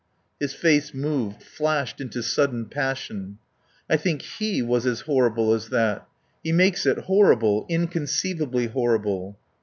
His face moved, flashed into sudden passion. "I think he was as horrible as that. He makes it horrible inconceivably horrible."